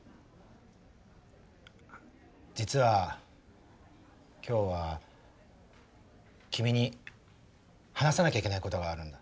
実は今日は君に話さなきゃいけないことがあるんだ。